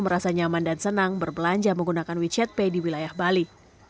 merasa nyaman dan senang berbelanja menggunakan wechat pay di wilayah bali